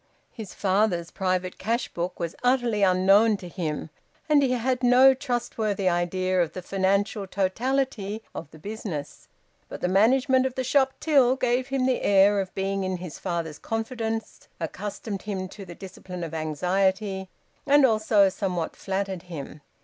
His father's private cash book was utterly unknown to him, and he had no trustworthy idea of the financial totality of the business; but the management of the shop till gave him the air of being in his father's confidence accustomed him to the discipline of anxiety, and also somewhat flattered him.